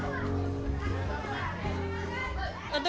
tentu saja kita harus mengenalkan ilmu astronomi